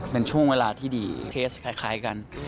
เป็นช่วงเวลาที่ดีเทสคล้ายกัน